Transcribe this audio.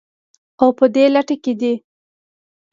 او په دې لټه کې دي